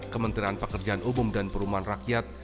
kementerian pekerjaan umum dan perumahan rakyat